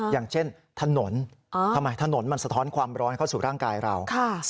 อย่างเช่นถนนทำไมถนนมันสะท้อนความร้อนเข้าสู่ร่างกายเรา